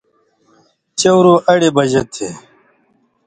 څَورُو اَئیڑ بج تھی۔